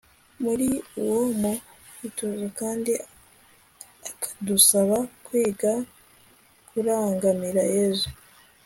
muri uwo mu itozo kandi akadusaba kwiga kurangamira yezu